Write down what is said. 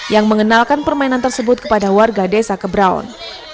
yang mengenalkan permainan tersebut kepada warga desa kebraun